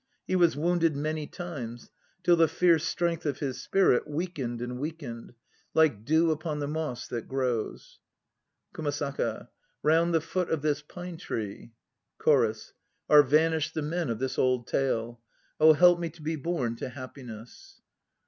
He was wounded many times, till the fierce strength of his spirit weakened and weakened. Like dew upon the moss that grows. KUMASAKA. Round the foot of this pine tree CHORUS. Are vanished the men of this old tale. "Oh, help me to be born to happiness."